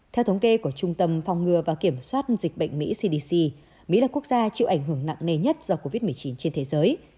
theo thống kê của trung tâm phòng ngừa và kiểm soát dịch bệnh mỹ cdc mỹ là quốc gia chịu ảnh hưởng nặng nề nhất do covid một mươi chín trên thế giới